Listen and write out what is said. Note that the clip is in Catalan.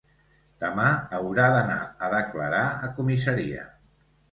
Demà haurà d’anar a declarar a comissaria.